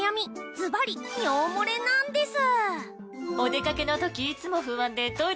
ずばり尿もれなンデス！